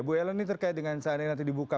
bu ellen ini terkait dengan saat ini nanti dibuka